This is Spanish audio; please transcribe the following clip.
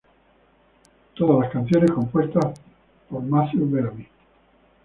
Todas las canciones compuestas por Matthew Bellamy.